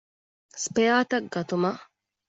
ސްޕެއަރތައް ގަތުމަށް